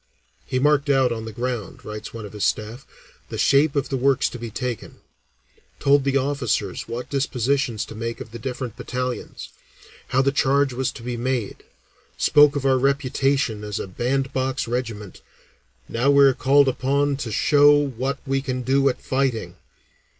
"He marked out on the ground," writes one of his staff, "the shape of the works to be taken, told the officers what dispositions to make of the different battalions, how the charge was to be made, spoke of our reputation as a band box regiment, 'Now we are called on to show what we can do at fighting.'"